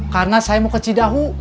karena saya mau ke cidahu